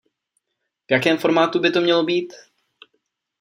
V jakém formátu by to mělo být?